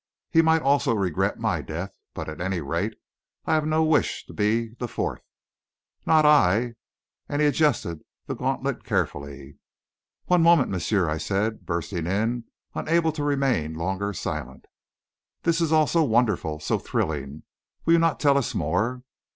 He might also regret my death, but, at any rate, I have no wish to be the fourth. Not I," and he adjusted the gauntlet carefully. "One moment, monsieur," I said, bursting in, unable to remain longer silent. "This is all so wonderful so thrilling will you not tell us more?